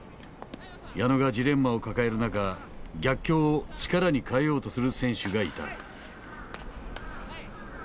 矢野がジレンマを抱える中逆境を力に変えようとする選手がいた。